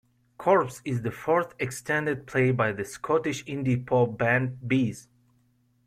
Corps is the fourth extended play by the Scottish indie pop band Bis.